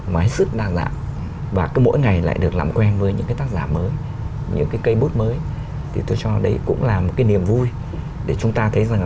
mà báo nhân dân hàng tháng